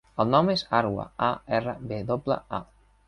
El nom és Arwa: a, erra, ve doble, a.